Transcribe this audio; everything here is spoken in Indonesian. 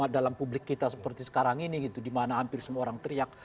dalam publik kita seperti sekarang ini gitu dimana hampir semua orang teriak